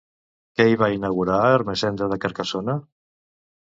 Què hi va inaugurar Ermessenda de Carcassona?